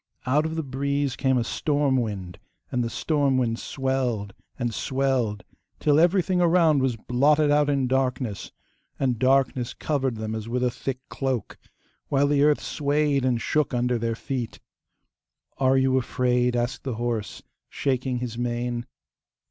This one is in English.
Out of the breeze came a storm wind, and the storm wind swelled and swelled till everything around was blotted out in darkness, and darkness covered them as with a thick cloak, while the earth swayed and shook under their feet. 'Are you afraid?' asked the horse, shaking his mane.